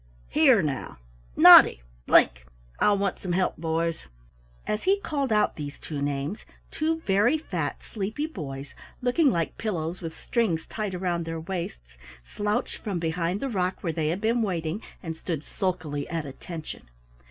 Here, now, Noddy Blink! I'll want some help, boys." As he called out these two names, two very fat, sleepy boys, looking like pillows with strings tied round their waists, slouched from behind the rock where they had been waiting, and stood sulkily at attention.